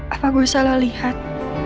apa gue salah lihat